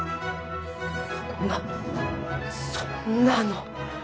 そんなそんなの。